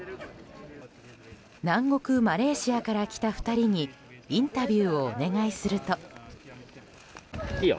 南国マレーシアから来た２人にインタビューをお願いすると。